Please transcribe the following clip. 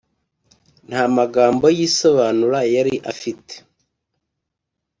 Nta magambo yisobanura yari afite